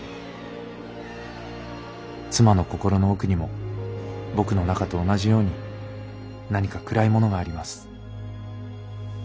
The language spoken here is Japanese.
妻の心の奥にも僕の中と同じように何か暗いものがあります。